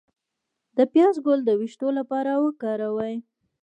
د پیاز ګل د ویښتو لپاره وکاروئ